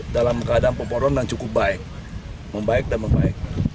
dalam keadaan pemoron dan cukup baik membaik dan membaik